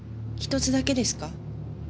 １つだけですか？